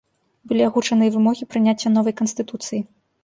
Былі агучаны і вымогі прыняцця новай канстытуцыі.